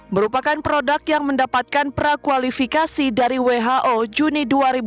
merupakan produk yang mendapatkan prakualifikasi dari who juni dua ribu dua puluh